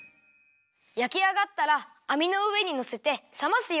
やきあがったらあみのうえにのせてさますよ。